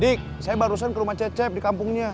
dik saya barusan ke rumah cecep di kampungnya